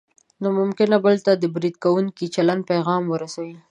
نو ممکن بل ته د برید کوونکي چلند پیغام ورسوي.